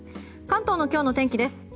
関東の今日の天気です。